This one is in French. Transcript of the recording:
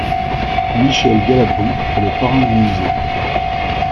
Michel Galabru est le parrain du musée.